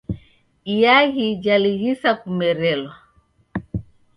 Iaghi jalighisa kumerelwa.